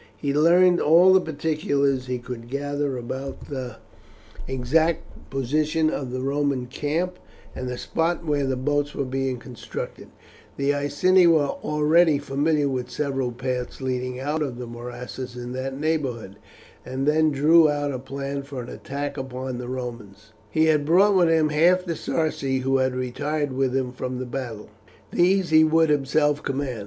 He learned all the particulars he could gather about the exact position of the Roman camp, and the spot where the boats were being constructed the Iceni were already familiar with several paths leading out of the morasses in that neighbourhood and then drew out a plan for an attack upon the Romans. He had brought with him half the Sarci who had retired with him from the battle. These he would himself command.